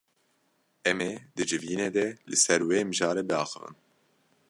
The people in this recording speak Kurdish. Em ê di civînê de li ser wê mijarê biaxivin.